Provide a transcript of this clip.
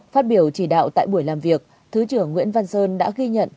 phát biểu chỉ đạo tại buổi làm việc thứ trưởng nguyễn văn sơn đã ghi nhận